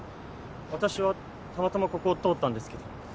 私はたまたまここを通ったんですけど。